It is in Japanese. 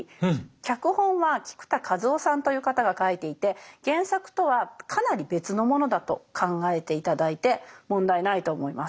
脚本は菊田一夫さんという方が書いていて原作とはかなり別のものだと考えて頂いて問題ないと思います。